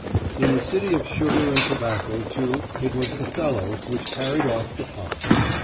In the city of sugar and tobacco, too, it was "Othello" which carried off the palm.